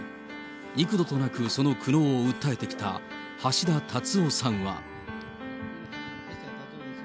幾度となくその苦悩を訴えてきた橋田達夫さんは。